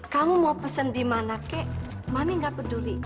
kamu mau pesen dimana kek mami gak peduli